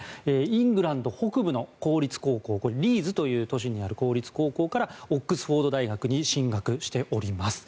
イングランド北部の公立高校リーズという都市にある公立高校からオックスフォード大学に進学しております。